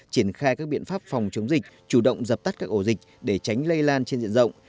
triển khai các biện pháp phòng chống dịch chủ động dập tắt các ổ dịch để tránh lây lan trên diện rộng